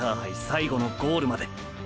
最後のゴールまで！！